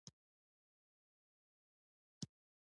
دافغانستان دنفت او ګازو معادن